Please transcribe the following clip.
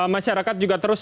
masyarakat juga terus